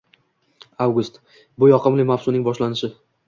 Avgust — bu yoqimli mavsumning boshlanishi